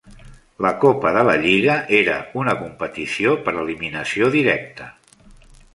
La copa de la lliga era una competició per eliminació directa.